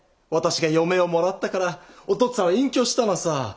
私が嫁をもらったからおとっつぁんは隠居したのさ。